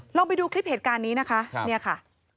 ลองไปดูคลิปเหตุการณ์นี้นะคะเนี่ยค่ะ